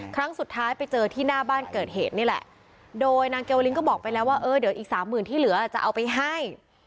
ครั้งสุดท้ายไปเจอที่หน้าบ้านเกิดเหตุนี่แหละโดยนางเกวลินก็บอกไปแล้วว่าเออเดี๋ยวอีกสามหมื่นที่เหลือจะเอาไปให้